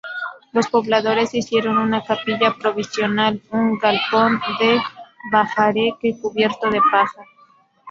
Los pobladores hicieron una capilla provisional, un galpón de bahareque cubierto de paja.